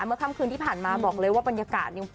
เมื่อค่ำคืนที่ผ่านมาบอกเลยว่าบรรยากาศ